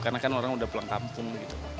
karena kan orang udah pulang kampung gitu